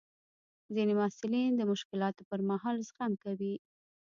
ځینې محصلین د مشکلاتو پر مهال زغم کوي.